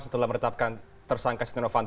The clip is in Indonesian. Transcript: setelah meretapkan tersangka stenova